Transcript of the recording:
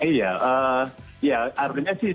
iya artinya sih